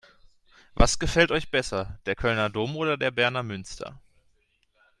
Was gefällt euch besser: Der Kölner Dom oder der Berner Münster?